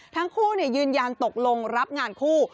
ทั้งคู่ยืนยันตกลงรับงานคู่